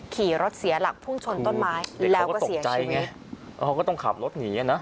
ขี่รถเสียหลักผู้ชนต้นไม้เด็กเขาก็ตกใจไงเขาก็ต้องขับรถหนีอ่ะนะ